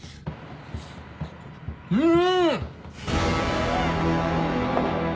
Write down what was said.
うん！